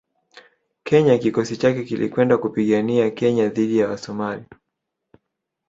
Kenya kikosi chake kilikwenda kupigania Kenya dhidi ya Wasomali